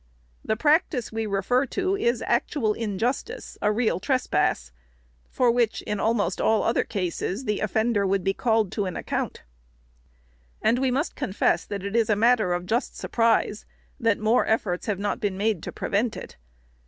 The practice we refer to is actual injustice, a real trespass, for which, in almost all other cases, the offender would be called to an account. And we must confess that it is matter of just surprise, that more efforts have not been made to prevent it.